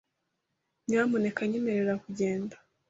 Nyamuneka nyemerera kugenda .